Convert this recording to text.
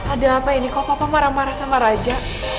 ada apa ini kok papa marah marah sama raja